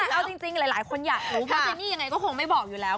แต่เอาจริงหลายคนอยากรู้เพราะเจนี่ยังไงก็คงไม่บอกอยู่แล้ว